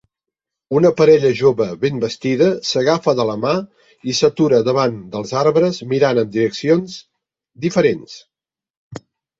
Una parella jove ben vestida s'agafa de la mà i s'atura davant dels arbres mirant en direccions diferents.